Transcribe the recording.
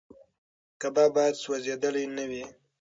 کباب باید سوځېدلی نه وي.